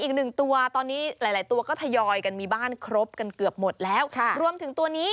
อ๋อเขาเรียกไหมอุ๋ง